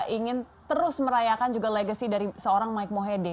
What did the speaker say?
ingin terus merayakan juga legacy dari seorang mike mohede